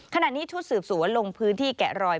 ขณะนี้ชุดสืบสวนลงพื้นที่แกะรอย